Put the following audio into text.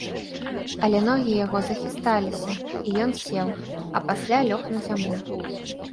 Але ногі яго захісталіся, і ён сеў, а пасля лёг на зямлю.